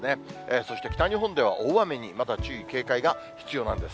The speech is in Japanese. そして北日本では大雨にまた注意、警戒が必要なんです。